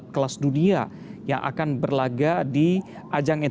berhubungan per congress